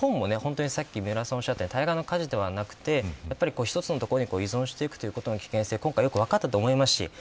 日本も、対岸の火事ではなくて一つのところに依存していくということの危険性が今回、分かってと思います。